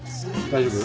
大丈夫？